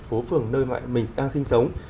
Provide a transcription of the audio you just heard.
phố phường nơi mà mình đang sinh sống